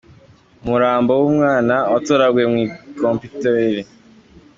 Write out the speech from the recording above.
Umurambo w’umwana watoraguwe mu kimpoteri